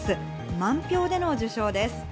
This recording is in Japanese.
満票での受賞です。